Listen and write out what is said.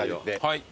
はい。